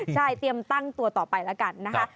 ใช่เตรียมตั้งตัวต่อไปแล้วกันนะคะ